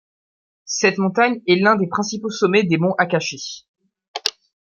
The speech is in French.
Cette montagne est l'un des principaux sommets des monts Akaishi.